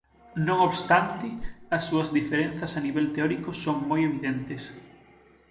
Non obstante, as súas diferenzas a nivel teórico son moi evidentes.